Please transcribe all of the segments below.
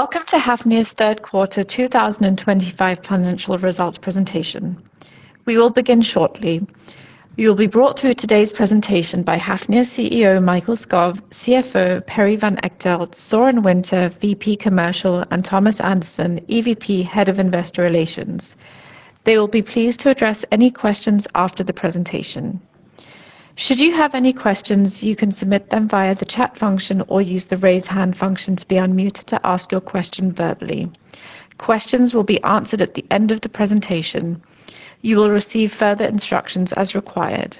Welcome to Hafnia's third quarter 2025 financial results presentation. We will begin shortly. You will be brought through today's presentation by Hafnia CEO Mikael Skov, CFO Perry Van Echtelt, Søren Winther, VP Commercial, and Thomas Andersen, EVP Head of Investor Relations. They will be pleased to address any questions after the presentation. Should you have any questions, you can submit them via the chat function or use the raise hand function to be unmuted to ask your question verbally. Questions will be answered at the end of the presentation. You will receive further instructions as required.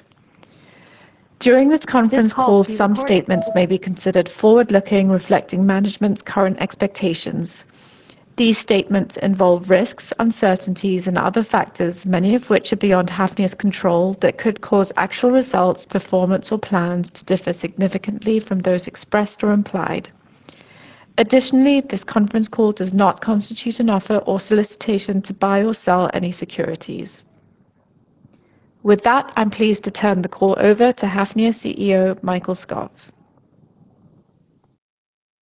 During this conference call, some statements may be considered forward-looking, reflecting management's current expectations. These statements involve risks, uncertainties, and other factors, many of which are beyond Hafnia's control, that could cause actual results, performance, or plans to differ significantly from those expressed or implied. Additionally, this conference call does not constitute an offer or solicitation to buy or sell any securities. With that, I'm pleased to turn the call over to Hafnia CEO Mikael Skov.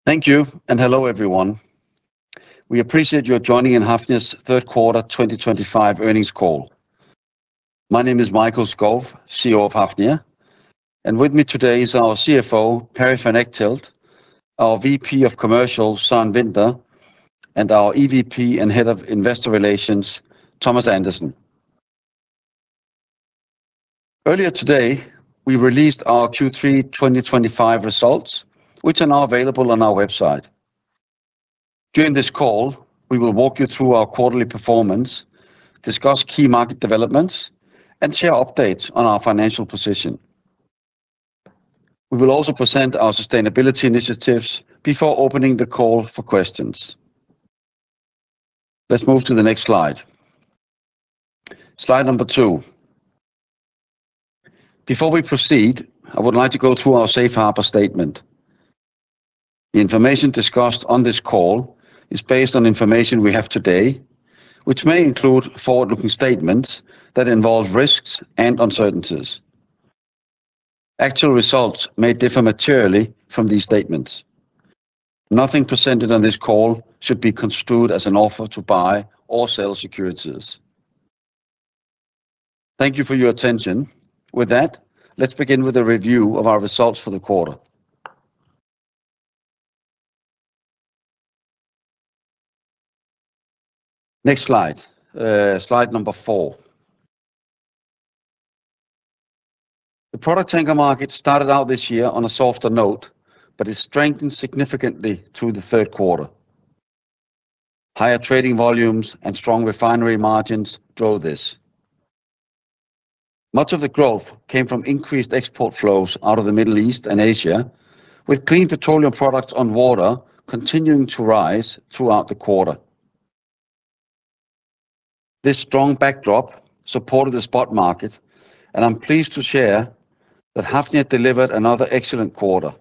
Thank you, and hello everyone. We appreciate your joining in Hafnia's third quarter 2025 earnings call. My name is Michael Skov, CEO of Hafnia, and with me today is our CFO Perry Van Echtelt, our VP of Commercial, Søren Winther, and our EVP and Head of Investor Relations, Thomas Andersen. Earlier today, we released our Q3 2025 results, which are now available on our website. During this call, we will walk you through our quarterly performance, discuss key market developments, and share updates on our financial position. We will also present our sustainability initiatives before opening the call for questions. Let's move to the next slide. Slide number two. Before we proceed, I would like to go through our Safe Harbour statement. The information discussed on this call is based on information we have today, which may include forward-looking statements that involve risks and uncertainties. Actual results may differ materially from these statements. Nothing presented on this call should be construed as an offer to buy or sell securities. Thank you for your attention. With that, let's begin with a review of our results for the quarter. Next slide, slide number four. The product tanker market started out this year on a softer note, but it strengthened significantly through the third quarter. Higher trading volumes and strong refinery margins drove this. Much of the growth came from increased export flows out of the Middle East and Asia, with clean petroleum products on water continuing to rise throughout the quarter. This strong backdrop supported the spot market, and I'm pleased to share that Hafnia delivered another excellent quarter.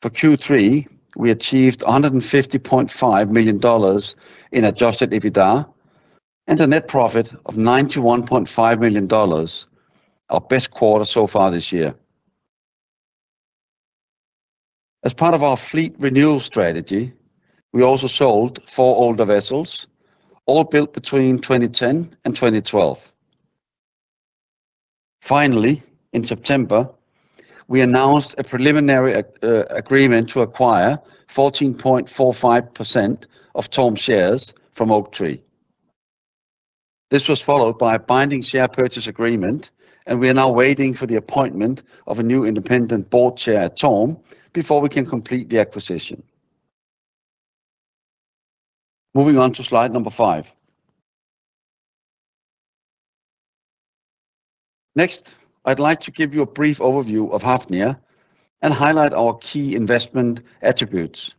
For Q3, we achieved $150.5 million in adjusted EBITDA and a net profit of $91.5 million, our best quarter so far this year. As part of our fleet renewal strategy, we also sold four older vessels, all built between 2010 and 2012. Finally, in September, we announced a preliminary agreement to acquire 14.45% of TORM shares from Oaktree. This was followed by a binding share purchase agreement, and we are now waiting for the appointment of a new independent board chair at TORM before we can complete the acquisition. Moving on to slide number five. Next, I'd like to give you a brief overview of Hafnia and highlight our key investment attributes.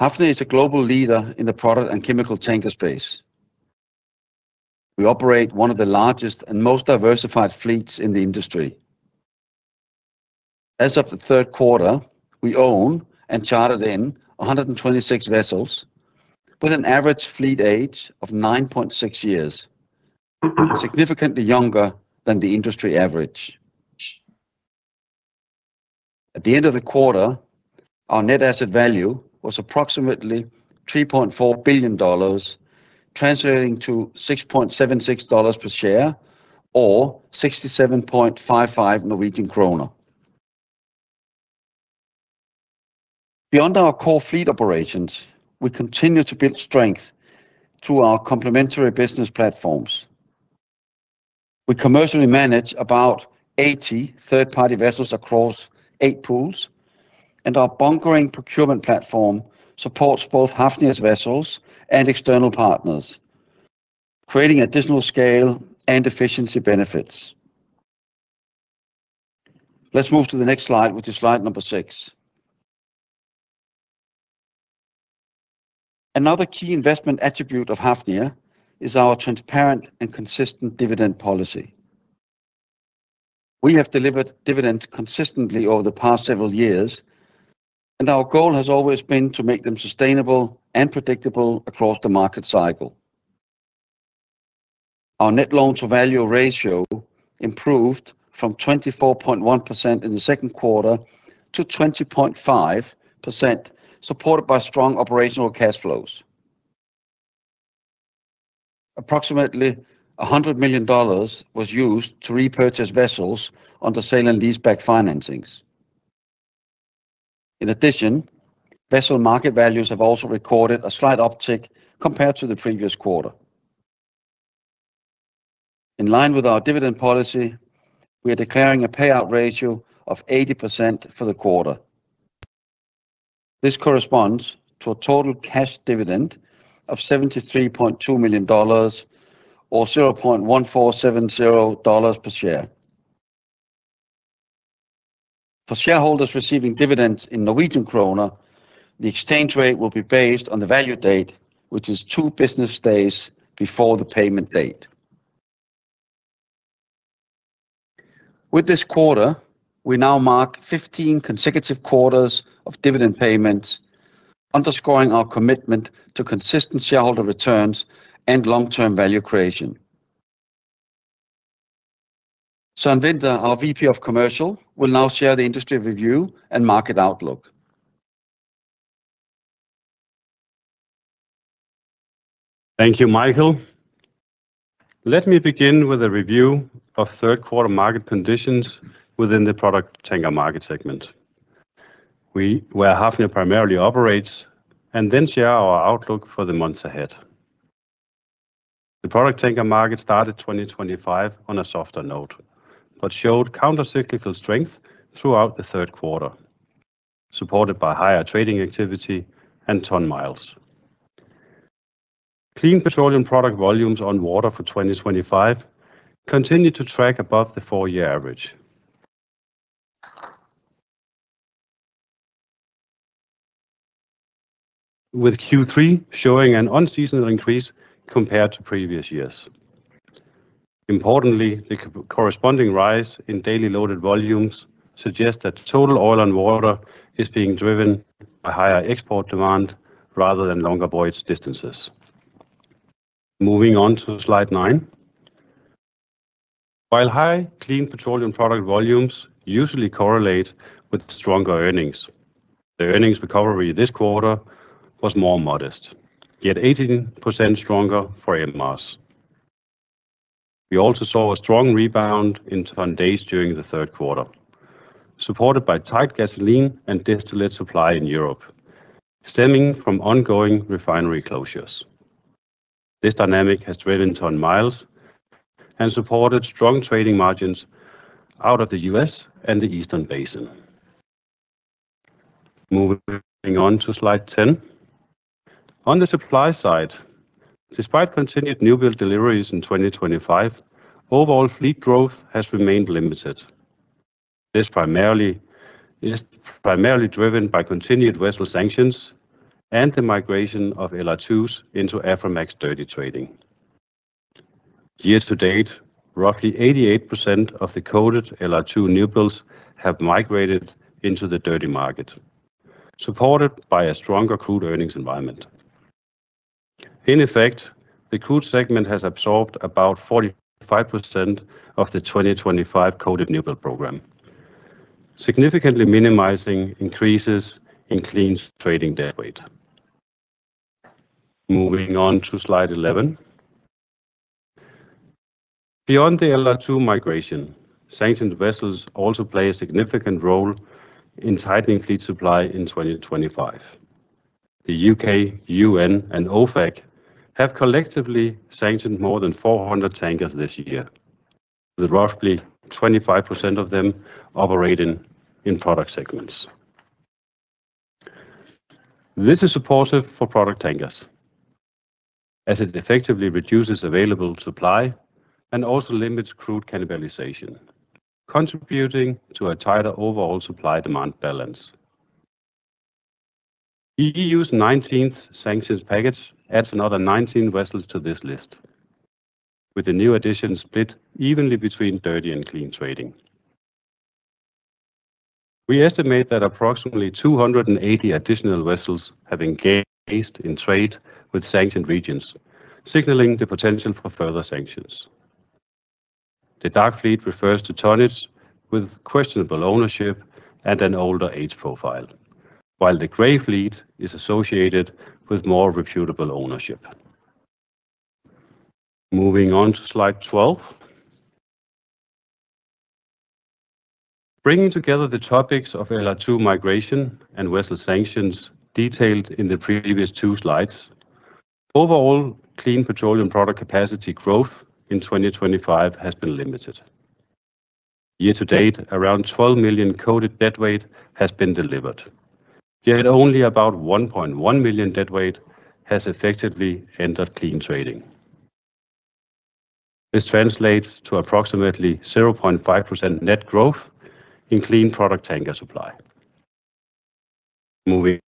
Hafnia is a global leader in the product and chemical tanker space. We operate one of the largest and most diversified fleets in the industry. As of the third quarter, we own and chartered in 126 vessels, with an average fleet age of 9.6 years, significantly younger than the industry average. At the end of the quarter, our net asset value was approximately $3.4 billion, translating to $6.76 per share or NOK 67.55. Beyond our core fleet operations, we continue to build strength through our complementary business platforms. We commercially manage about 80 third-party vessels across eight pools, and our bunkering procurement platform supports both Hafnia's vessels and external partners, creating additional scale and efficiency benefits. Let's move to the next slide with slide number six. Another key investment attribute of Hafnia is our transparent and consistent dividend policy. We have delivered dividends consistently over the past several years, and our goal has always been to make them sustainable and predictable across the market cycle. Our net loan-to-value ratio improved from 24.1% in the second quarter to 20.5%, supported by strong operational cash flows. Approximately $100 million was used to repurchase vessels under sale and leaseback financings. In addition, vessel market values have also recorded a slight uptick compared to the previous quarter. In line with our dividend policy, we are declaring a payout ratio of 80% for the quarter. This corresponds to a total cash dividend of $73.2 million or $0.1470 per share. For shareholders receiving dividends in Norwegian kroner, the exchange rate will be based on the value date, which is two business days before the payment date. With this quarter, we now mark 15 consecutive quarters of dividend payments, underscoring our commitment to consistent shareholder returns and long-term value creation. Søren Winther, our VP of Commercial, will now share the industry review and market outlook. Thank you, Mikael. Let me begin with a review of third quarter market conditions within the product tanker market segment, where Hafnia primarily operates, and then share our outlook for the months ahead. The product tanker market started 2025 on a softer note but showed countercyclical strength throughout the third quarter, supported by higher trading activity and ton miles. Clean petroleum product volumes on water for 2025 continue to track above the four-year average, with Q3 showing an unseasonal increase compared to previous years. Importantly, the corresponding rise in daily loaded volumes suggests that total oil and water is being driven by higher export demand rather than longer voyage distances. Moving on to slide nine. While high clean petroleum product volumes usually correlate with stronger earnings, the earnings recovery this quarter was more modest, yet 18% stronger for MRs. We also saw a strong rebound in turn days during the third quarter, supported by tight gasoline and distillate supply in Europe, stemming from ongoing refinery closures. This dynamic has driven ton miles and supported strong trading margins out of the U.S. and the Eastern Basin. Moving on to slide 10. On the supply side, despite continued new build deliveries in 2025, overall fleet growth has remained limited. This is primarily driven by continued vessel sanctions and the migration of LR2s into Aframax dirty trading. Year to date, roughly 88% of the coded LR2 new builds have migrated into the dirty market, supported by a stronger crude earnings environment. In effect, the crude segment has absorbed about 45% of the 2025 coded new build program, significantly minimizing increases in clean trading date. Moving on to slide 11. Beyond the LR2 migration, sanctioned vessels also play a significant role in tightening fleet supply in 2025. The U.K., U.N., and OFAC have collectively sanctioned more than 400 tankers this year, with roughly 25% of them operating in product segments. This is supportive for product tankers as it effectively reduces available supply and also limits crude cannibalization, contributing to a tighter overall supply-demand balance. The EU's 19th sanctions package adds another 19 vessels to this list, with the new addition split evenly between dirty and clean trading. We estimate that approximately 280 additional vessels have engaged in trade with sanctioned regions, signaling the potential for further sanctions. The dark fleet refers to tonnage with questionable ownership and an older age profile, while the gray fleet is associated with more reputable ownership. Moving on to slide 12. Bringing together the topics of LR2 migration and vessel sanctions detailed in the previous two slides, overall clean petroleum product capacity growth in 2025 has been limited. Year to date, around 12 million dead weight has been delivered, yet only about 1.1 million dead weight has effectively entered clean trading. This translates to approximately 0.5% net growth in clean product tanker supply. Moving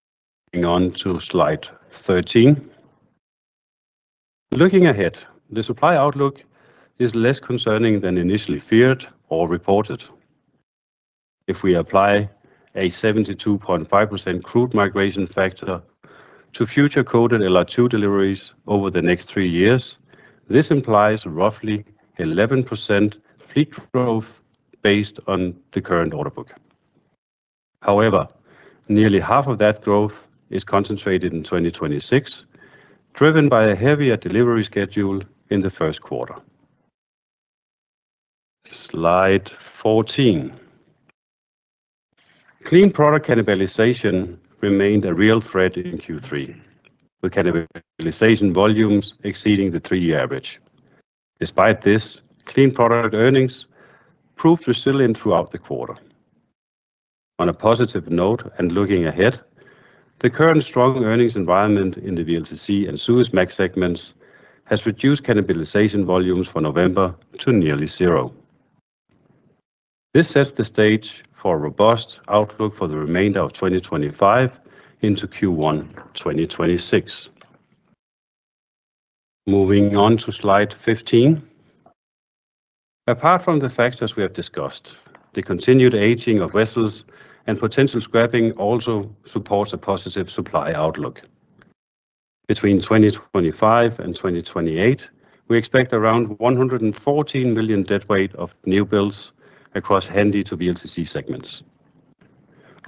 on to slide 13. Looking ahead, the supply outlook is less concerning than initially feared or reported. If we apply a 72.5% crude migration factor to future coded LR2 deliveries over the next three years, this implies roughly 11% fleet growth based on the current order book. However, nearly half of that growth is concentrated in 2026, driven by a heavier delivery schedule in the first quarter. Slide 14. Clean product cannibalization remained a real threat in Q3, with cannibalization volumes exceeding the three-year average. Despite this, clean product earnings proved resilient throughout the quarter. On a positive note and looking ahead, the current strong earnings environment in the VLCC and Suezmax segments has reduced cannibalization volumes for November to nearly zero. This sets the stage for a robust outlook for the remainder of 2025 into Q1 2026. Moving on to slide 15. Apart from the factors we have discussed, the continued aging of vessels and potential scrapping also supports a positive supply outlook. Between 2025 and 2028, we expect around 114 million dead weight of new builds across handy-to-VLCC segments.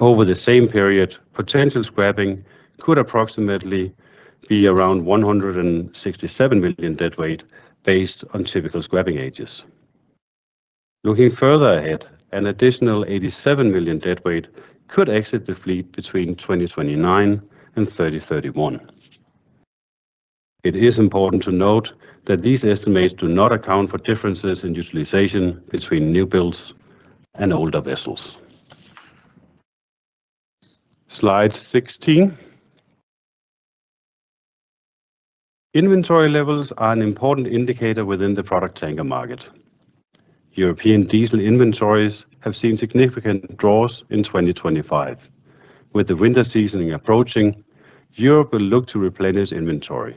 Over the same period, potential scrapping could approximately be around 167 million dead weight based on typical scrapping ages. Looking further ahead, an additional 87 million dead weight could exit the fleet between 2029 and 2031. It is important to note that these estimates do not account for differences in utilization between new builds and older vessels. Slide 16. Inventory levels are an important indicator within the product tanker market. European diesel inventories have seen significant draws in 2025. With the winter season approaching, Europe will look to replenish inventory.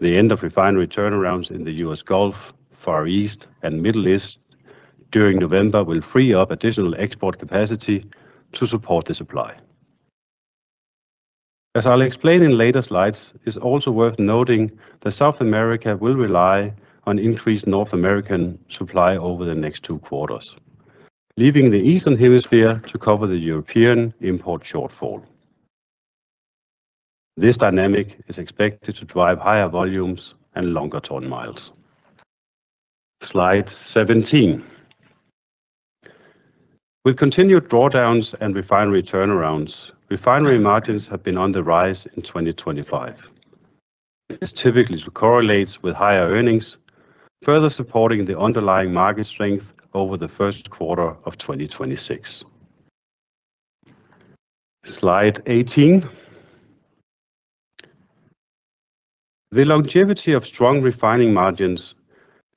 The end of refinery turnarounds in the U.S. Gulf, Far East, and Middle East during November will free up additional export capacity to support the supply. As I'll explain in later slides, it's also worth noting that South America will rely on increased North American supply over the next two quarters, leaving the Eastern Hemisphere to cover the European import shortfall. This dynamic is expected to drive higher volumes and longer ton miles. Slide 17. With continued drawdowns and refinery turnarounds, refinery margins have been on the rise in 2025. This typically correlates with higher earnings, further supporting the underlying market strength over the first quarter of 2026. Slide 18. The longevity of strong refining margins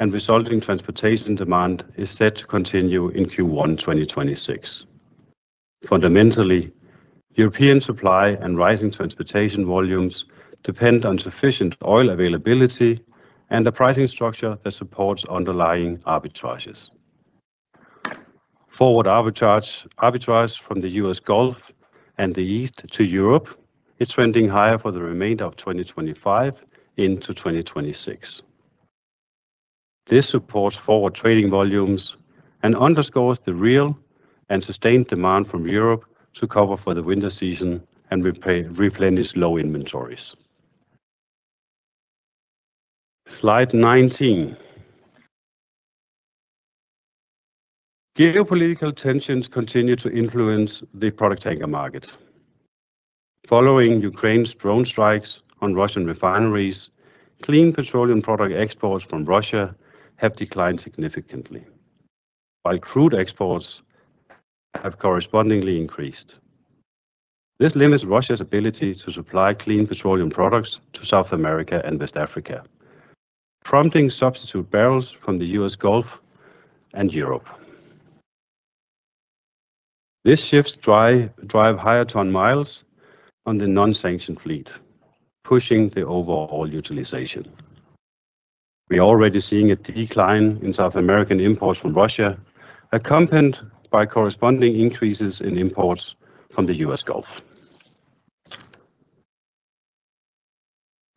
and resulting transportation demand is set to continue in Q1 2026. Fundamentally, European supply and rising transportation volumes depend on sufficient oil availability and a pricing structure that supports underlying arbitrages. Forward arbitrage from the U.S. Gulf and the East to Europe is trending higher for the remainder of 2025 into 2026. This supports forward trading volumes and underscores the real and sustained demand from Europe to cover for the winter season and replenish low inventories. Slide 19. Geopolitical tensions continue to influence the product tanker market. Following Ukraine's drone strikes on Russian refineries, clean petroleum product exports from Russia have declined significantly, while crude exports have correspondingly increased. This limits Russia's ability to supply clean petroleum products to South America and West Africa, prompting substitute barrels from the U.S. Gulf and Europe. This shifts drive higher ton miles on the non-sanctioned fleet, pushing the overall utilization. We are already seeing a decline in South American imports from Russia, accompanied by corresponding increases in imports from the U.S. Gulf.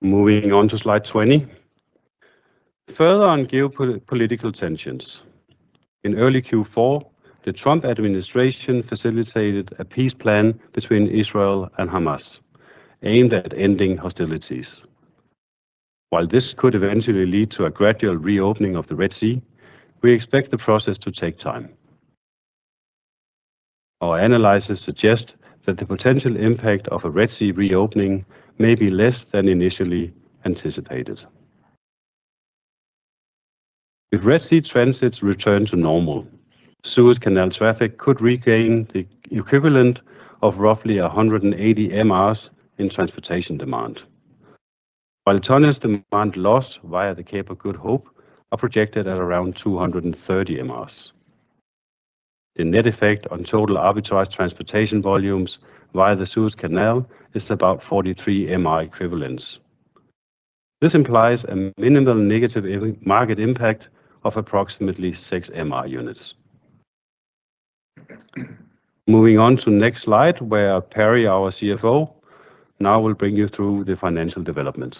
Moving on to slide 20. Further on geopolitical tensions. In early Q4, the Trump administration facilitated a peace plan between Israel and Hamas, aimed at ending hostilities. While this could eventually lead to a gradual reopening of the Red Sea, we expect the process to take time. Our analysis suggests that the potential impact of a Red Sea reopening may be less than initially anticipated. With Red Sea transits returned to normal, Suez Canal traffic could regain the equivalent of roughly 180 MRs in transportation demand, while tonnes demand lost via the Cape of Good Hope are projected at around 230 MRs. The net effect on total arbitrage transportation volumes via the Suez Canal is about 43 MR equivalents. This implies a minimal negative market impact of approximately 6 MR units. Moving on to the next slide, where Perry, our CFO, now will bring you through the financial developments.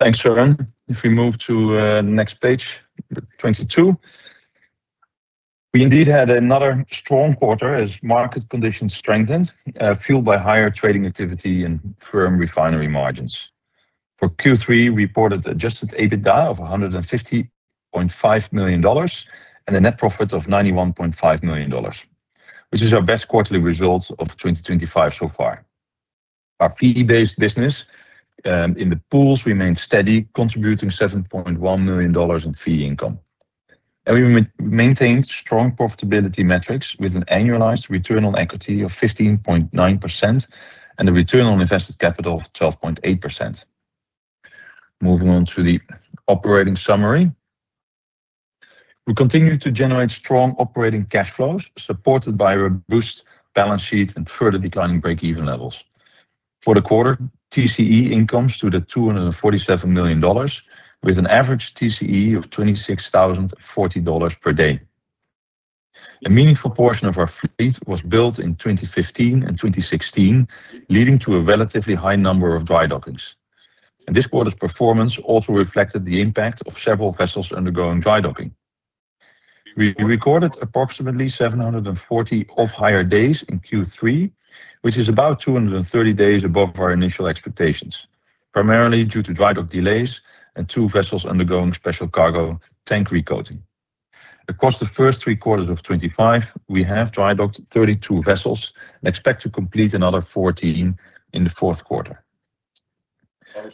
Thanks, Søren. If we move to the next page, 22, we indeed had another strong quarter as market conditions strengthened, fueled by higher trading activity and firm refinery margins. For Q3, we reported an adjusted EBITDA of $150.5 million and a net profit of $91.5 million, which is our best quarterly result of 2025 so far. Our fee-based business in the pools remained steady, contributing $7.1 million in fee income. We maintained strong profitability metrics with an annualized return on equity of 15.9% and a return on invested capital of 12.8%. Moving on to the operating summary. We continue to generate strong operating cash flows supported by robust balance sheets and further declining break-even levels. For the quarter, TCE incomes to the $247 million, with an average TCE of $26,040 per day. A meaningful portion of our fleet was built in 2015 and 2016, leading to a relatively high number of dry dockings. This quarter's performance also reflected the impact of several vessels undergoing dry docking. We recorded approximately 740 off-hire days in Q3, which is about 230 days above our initial expectations, primarily due to dry dock delays and two vessels undergoing special cargo tank recoating. Across the first three quarters of 2025, we have dry docked 32 vessels and expect to complete another 14 in the fourth quarter.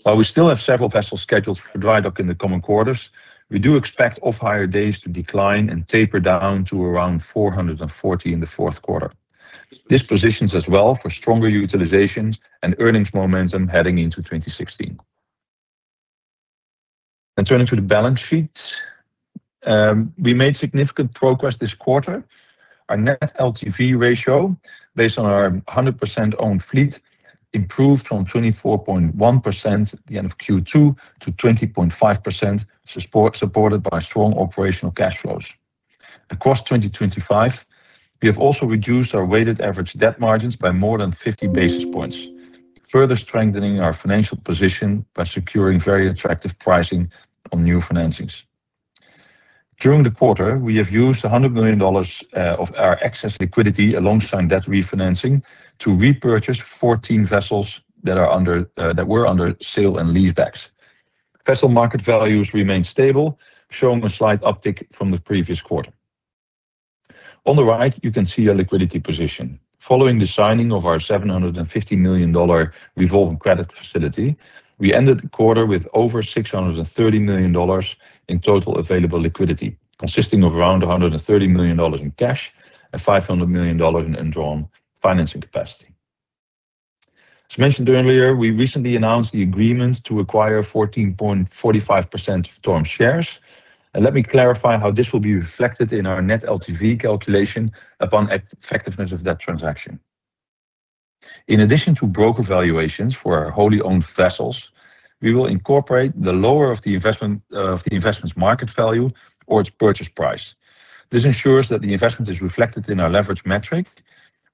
While we still have several vessels scheduled for dry dock in the coming quarters, we do expect off-hire days to decline and taper down to around 440 in the fourth quarter. This positions us well for stronger utilization and earnings momentum heading into 2026. Turning to the balance sheet, we made significant progress this quarter. Our net LTV ratio, based on our 100% owned fleet, improved from 24.1% at the end of Q2 to 20.5%, supported by strong operational cash flows. Across 2025, we have also reduced our weighted average debt margins by more than 50 basis points, further strengthening our financial position by securing very attractive pricing on new financings. During the quarter, we have used $100 million of our excess liquidity alongside debt refinancing to repurchase 14 vessels that were under sale and leasebacks. Vessel market values remained stable, showing a slight uptick from the previous quarter. On the right, you can see our liquidity position. Following the signing of our $750 million Revolving Credit Facility, we ended the quarter with over $630 million in total available liquidity, consisting of around $130 million in cash and $500 million in environmental financing capacity. As mentioned earlier, we recently announced the agreement to acquire 14.45% of TORM shares. Let me clarify how this will be reflected in our net LTV calculation upon effectiveness of that transaction. In addition to broker valuations for our wholly owned vessels, we will incorporate the lower of the investment's market value or its purchase price. This ensures that the investment is reflected in our leverage metric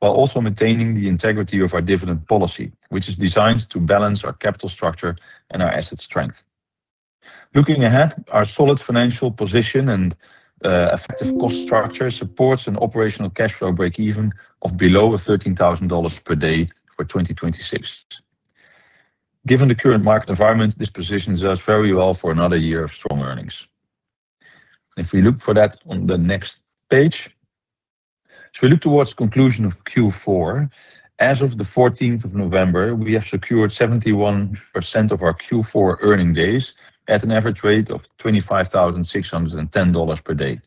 while also maintaining the integrity of our dividend policy, which is designed to balance our capital structure and our asset strength. Looking ahead, our solid financial position and effective cost structure supports an operational cash flow break-even of below $13,000 per day for 2026. Given the current market environment, this positions us very well for another year of strong earnings. If we look for that on the next page, as we look towards the conclusion of Q4, as of the 14th of November, we have secured 71% of our Q4 earning days at an average rate of $25,610 per day.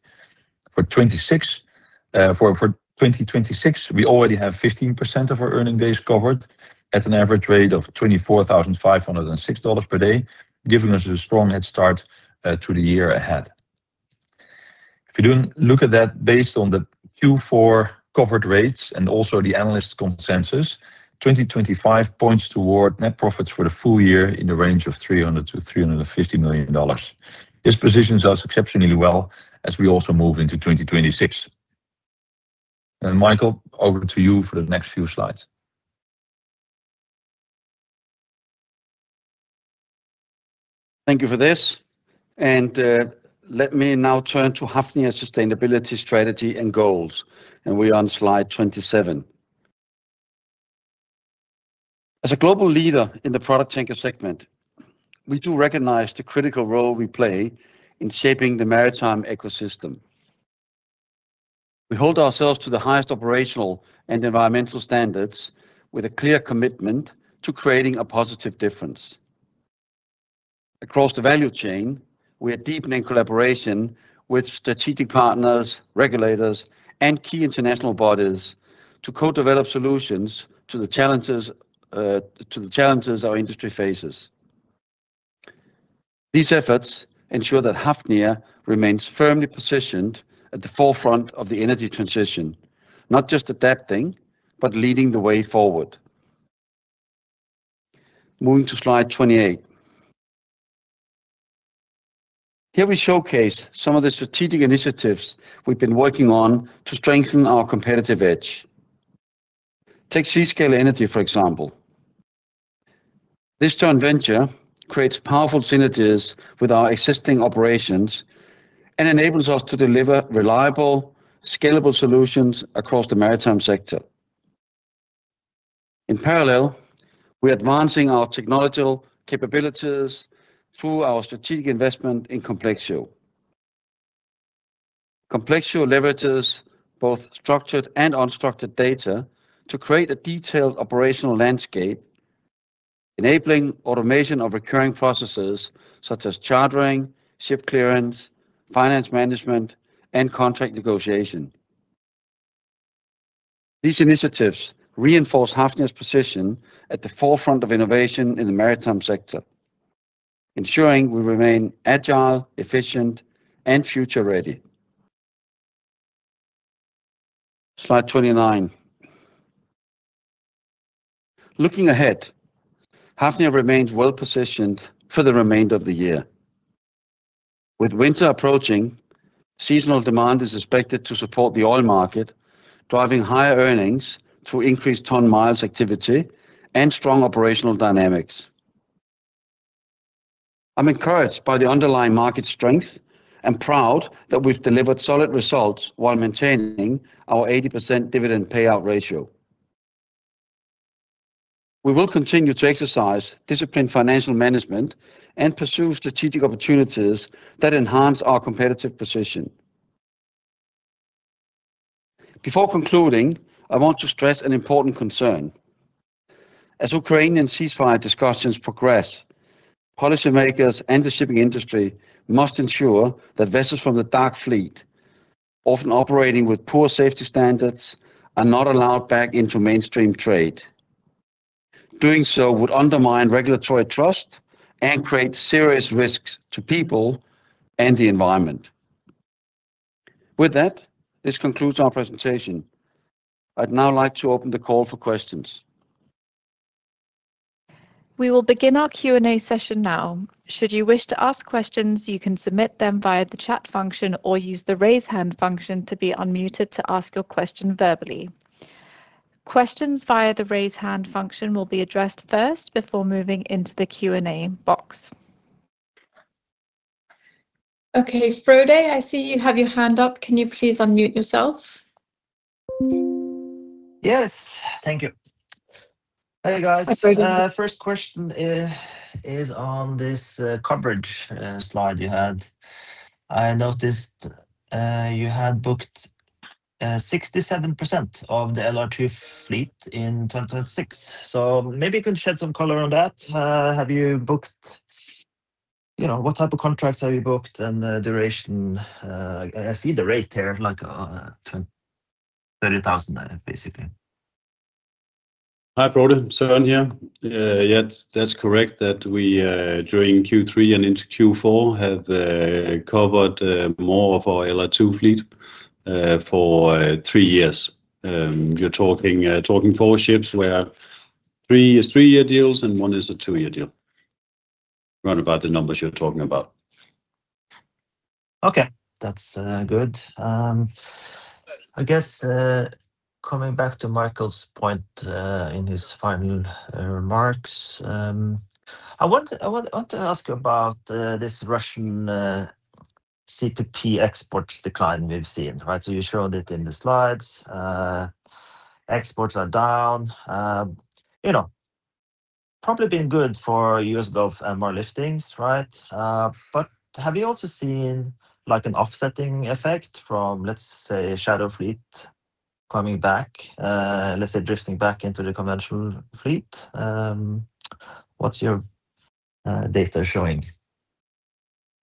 For 2026, we already have 15% of our earning days covered at an average rate of $24,506 per day, giving us a strong head start to the year ahead. If you look at that based on the Q4 covered rates and also the analyst consensus, 2025 points toward net profits for the full year in the range of $300 million-$350 million. This positions us exceptionally well as we also move into 2026. Mikael, over to you for the next few slides. Thank you for this. Let me now turn to Hafnia's sustainability strategy and goals. We are on slide 27. As a global leader in the product tanker segment, we do recognize the critical role we play in shaping the maritime ecosystem. We hold ourselves to the highest operational and environmental standards with a clear commitment to creating a positive difference. Across the value chain, we are deepening collaboration with strategic partners, regulators, and key international bodies to co-develop solutions to the challenges our industry faces. These efforts ensure that Hafnia remains firmly positioned at the forefront of the energy transition, not just adapting, but leading the way forward. Moving to slide 28. Here we showcase some of the strategic initiatives we've been working on to strengthen our competitive edge. Take Seascale Energy, for example. This joint venture creates powerful synergies with our existing operations and enables us to deliver reliable, scalable solutions across the maritime sector. In parallel, we are advancing our technological capabilities through our strategic investment in Complexio. Complexio leverages both structured and unstructured data to create a detailed operational landscape, enabling automation of recurring processes such as chartering, ship clearance, finance management, and contract negotiation. These initiatives reinforce Hafnia's position at the forefront of innovation in the maritime sector, ensuring we remain agile, efficient, and future-ready. Slide 29. Looking ahead, Hafnia remains well-positioned for the remainder of the year. With winter approaching, seasonal demand is expected to support the oil market, driving higher earnings through increased ton miles activity and strong operational dynamics. I'm encouraged by the underlying market strength and proud that we've delivered solid results while maintaining our 80% dividend payout ratio. We will continue to exercise disciplined financial management and pursue strategic opportunities that enhance our competitive position. Before concluding, I want to stress an important concern. As Ukrainian ceasefire discussions progress, policymakers and the shipping industry must ensure that vessels from the dark fleet, often operating with poor safety standards, are not allowed back into mainstream trade. Doing so would undermine regulatory trust and create serious risks to people and the environment. With that, this concludes our presentation. I'd now like to open the call for questions. We will begin our Q&A session now. Should you wish to ask questions, you can submit them via the chat function or use the raise hand function to be unmuted to ask your question verbally. Questions via the raise hand function will be addressed first before moving into the Q&A box. Okay, Frode, I see you have your hand up. Can you please unmute yourself? Yes, thank you. Hey, guys. First question is on this coverage slide you had. I noticed you had booked 67% of the LR2 fleet in 2026. Maybe you can shed some color on that. Have you booked? What type of contracts have you booked and duration? I see the rate there of like $30,000, basically. Hi, Frode. Søren here. Yeah, that's correct that we during Q3 and into Q4 have covered more of our LR2 fleet for three years. You're talking four ships where three is three-year deals and one is a two-year deal. Round about the numbers you're talking about. Okay, that's good. I guess coming back to Mikael's point in his final remarks, I want to ask you about this Russian CPP exports decline we've seen, right? You showed it in the slides. Exports are down. Probably been good for years of more liftings, right? Have you also seen an offsetting effect from, let's say, a shadow fleet coming back, let's say, drifting back into the conventional fleet? What's your data showing?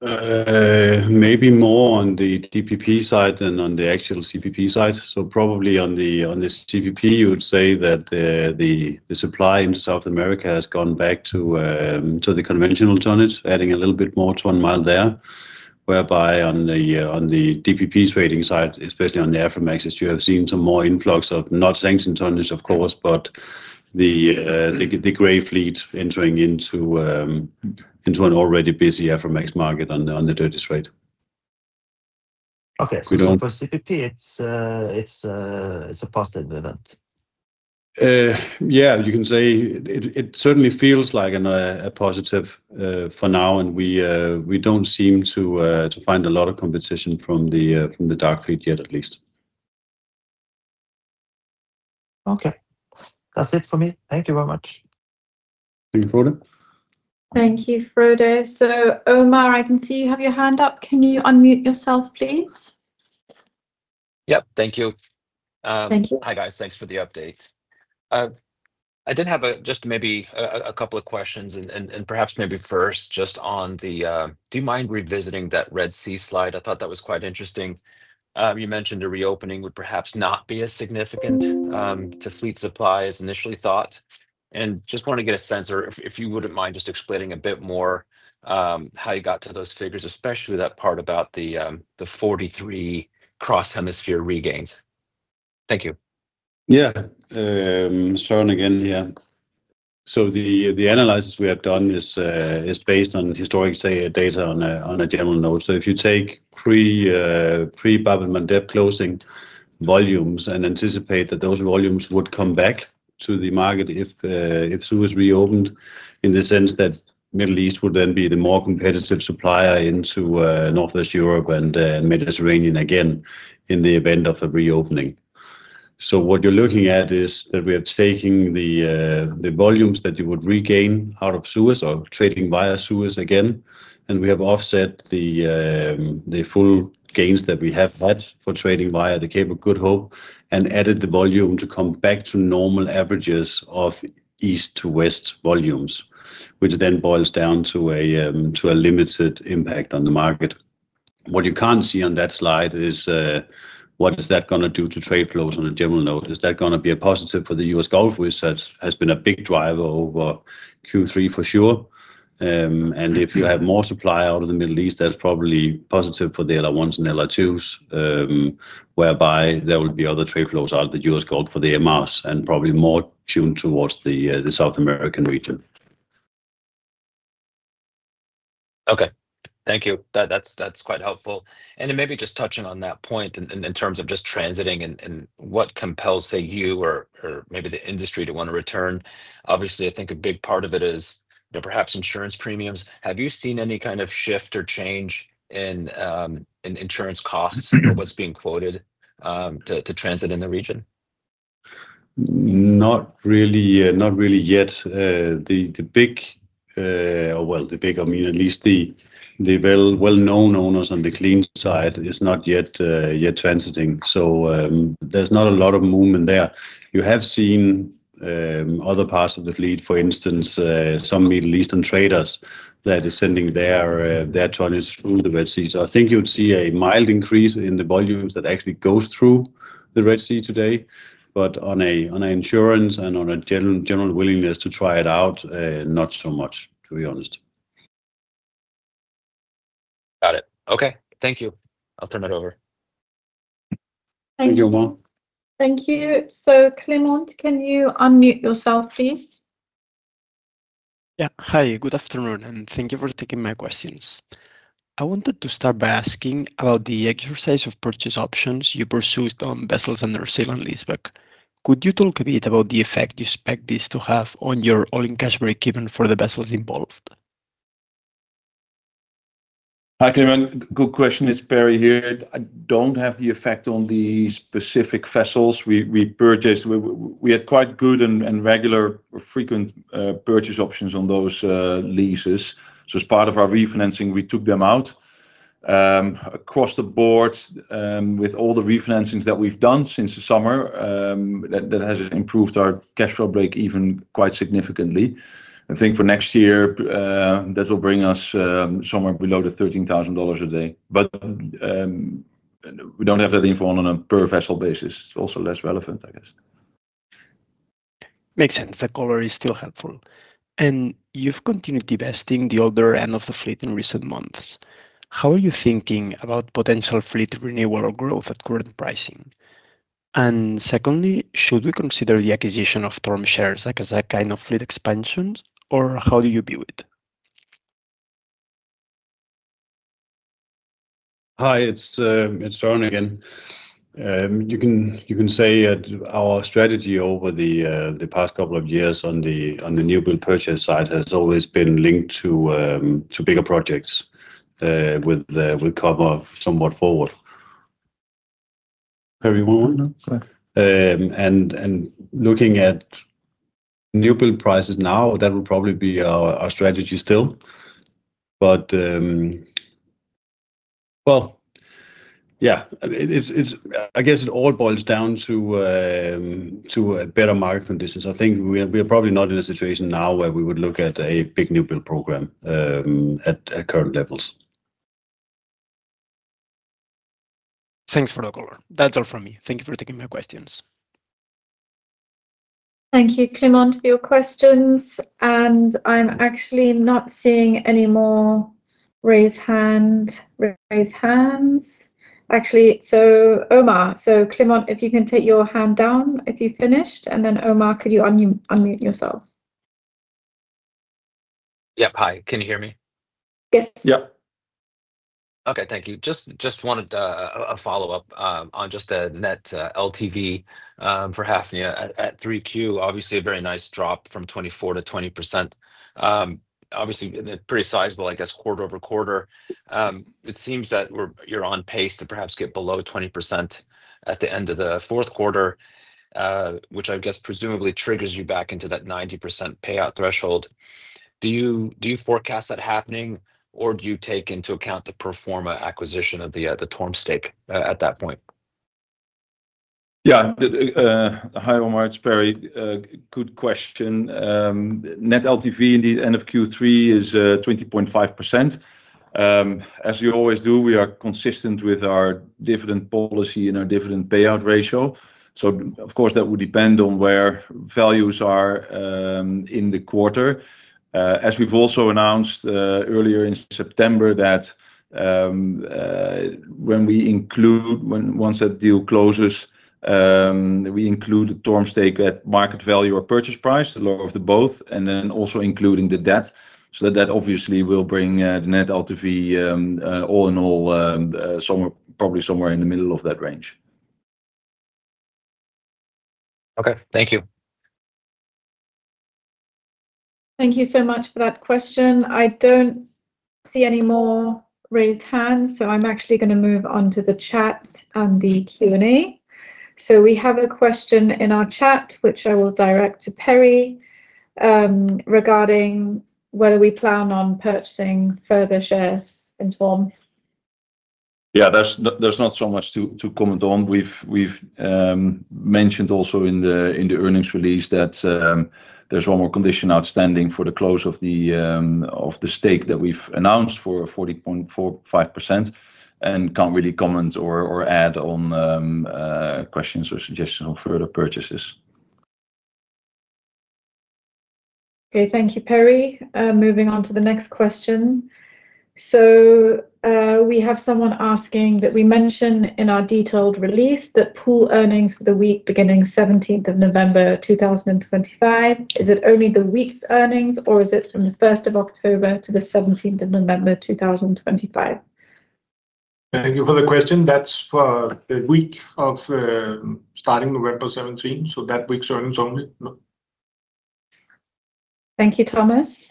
Maybe more on the TPP side than on the actual CPP side. Probably on the CPP, you would say that the supply into South America has gone back to the conventional tonnage, adding a little bit more ton mile there, whereby on the DPP trading side, especially on the Aframax, you have seen some more influx of not sanctioned tonnage, of course, but the gray fleet entering into an already busy Aframax market on the dirty trade. Okay, so for CPP, it's a positive event. Yeah, you can say it certainly feels like a positive for now, and we do not seem to find a lot of competition from the dark fleet yet, at least. Okay, that's it for me. Thank you very much. Thank you, Frode. Thank you, Frode. Omar, I can see you have your hand up. Can you unmute yourself, please? Yep, thank you. Thank you. Hi, guys. Thanks for the update. I did have just maybe a couple of questions, and perhaps maybe first just on the, do you mind revisiting that Red Sea slide? I thought that was quite interesting. You mentioned a reopening would perhaps not be as significant to fleet supply as initially thought. I just want to get a sense, or if you would not mind just explaining a bit more how you got to those figures, especially that part about the 43 cross-hemisphere regains. Thank you. Yeah, Søren again here. The analysis we have done is based on historic data on a general note. If you take pre-Babylonian depth closing volumes and anticipate that those volumes would come back to the market if Suez reopened, in the sense that the Middle East would then be the more competitive supplier into Northwest Europe and the Mediterranean again in the event of a reopening. What you are looking at is that we are taking the volumes that you would regain out of Suez or trading via Suez again, and we have offset the full gains that we have had for trading via the Cape of Good Hope and added the volume to come back to normal averages of east to west volumes, which then boils down to a limited impact on the market. What you can't see on that slide is what is that going to do to trade flows on a general note? Is that going to be a positive for the U.S. Gulf, which has been a big driver over Q3 for sure? If you have more supply out of the Middle East, that's probably positive for the LR1s and LR2s, whereby there will be other trade flows out of the U.S. Gulf for the MRs and probably more tuned towards the South American region. Okay, thank you. That's quite helpful. Maybe just touching on that point in terms of just transiting and what compels you or maybe the industry to want to return. Obviously, I think a big part of it is perhaps insurance premiums. Have you seen any kind of shift or change in insurance costs or what's being quoted to transit in the region? Not really yet. The big, well, the bigger, I mean, at least the well-known owners on the clean side is not yet transiting. So there is not a lot of movement there. You have seen other parts of the fleet, for instance, some Middle Eastern traders that are sending their tonnage through the Red Sea. I think you would see a mild increase in the volumes that actually go through the Red Sea today. On insurance and on a general willingness to try it out, not so much, to be honest. Got it. Okay, thank you. I'll turn it over. Thank you. Thank you, Omar. Thank you. Clément, can you unmute yourself, please? Yeah, hi, good afternoon, and thank you for taking my questions. I wanted to start by asking about the exercise of purchase options you pursued on vessels under sale on leaseback. Could you talk a bit about the effect you expect this to have on your oil and cash break even for the vessels involved? Hi, Clément. Good question. It's Perry here. I don't have the effect on the specific vessels we purchased. We had quite good and regular frequent purchase options on those leases. As part of our refinancing, we took them out. Across the board, with all the refinancings that we've done since the summer, that has improved our cash flow break even quite significantly. I think for next year, that will bring us somewhere below the $13,000 a day. We don't have that info on a per vessel basis. It's also less relevant, I guess. Makes sense. That color is still helpful. You've continued divesting the older end of the fleet in recent months. How are you thinking about potential fleet renewal or growth at current pricing? Secondly, should we consider the acquisition of TORM shares as a kind of fleet expansion, or how do you view it? Hi, it's Søren again. You can say that our strategy over the past couple of years on the new build purchase side has always been linked to bigger projects with cover somewhat forward. Perry [Omar] Looking at new build prices now, that will probably be our strategy still. Well, yeah, I guess it all boils down to better market conditions. I think we are probably not in a situation now where we would look at a big new build program at current levels. Thanks for the color. That's all from me. Thank you for taking my questions. Thank you, Clément, for your questions. I'm actually not seeing any more raise hands. Actually, Omar, Clément, if you can take your hand down if you finished, and then Omar, could you unmute yourself? Yep, hi. Can you hear me? Yes. Yep. Okay, thank you. Just wanted a follow-up on just a net LTV for Hafnia at Q3. Obviously, a very nice drop from 24% to 20%. Obviously, pretty sizable, I guess, quarter over quarter. It seems that you're on pace to perhaps get below 20% at the end of the fourth quarter, which I guess presumably triggers you back into that 90% payout threshold. Do you forecast that happening, or do you take into account the Performa acquisition of the TORM stake at that point? Yeah, hi, Omar. It's Perry. Good question. Net LTV in the end of Q3 is 20.5%. As we always do, we are consistent with our dividend policy and our dividend payout ratio. That would depend on where values are in the quarter. As we've also announced earlier in September that when we include, once that deal closes, we include the TORM stake at market value or purchase price, the low of the both, and then also including the debt. That obviously will bring the net LTV all in all somewhere, probably somewhere in the middle of that range. Okay, thank you. Thank you so much for that question. I do not see any more raised hands, so I am actually going to move on to the chat and the Q&A. We have a question in our chat, which I will direct to Perry, regarding whether we plan on purchasing further shares in TORM. Yeah, there's not so much to comment on. We've mentioned also in the earnings release that there's one more condition outstanding for the close of the stake that we've announced for 40.45%, and can't really comment or add on questions or suggestions on further purchases. Okay, thank you, Perry. Moving on to the next question. We have someone asking that we mention in our detailed release that pool earnings for the week beginning 17th of November 2025, is it only the week's earnings, or is it from the 1st of October to the 17th of November 2025? Thank you for the question. That's for the week of starting November 17, so that week's earnings only. Thank you, Thomas.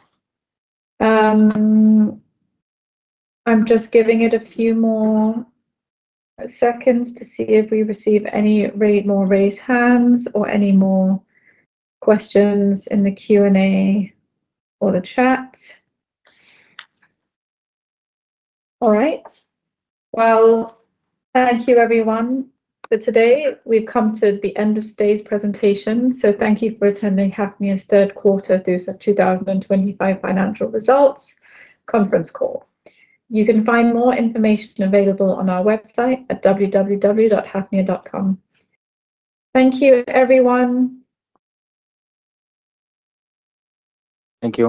I'm just giving it a few more seconds to see if we receive any more raise hands or any more questions in the Q&A or the chat. All right. Thank you, everyone, for today. We've come to the end of today's presentation, so thank you for attending Hafnia's third quarter through 2025 financial results conference call. You can find more information available on our website at www.hafnia.com. Thank you, everyone. Thank you.